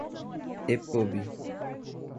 epub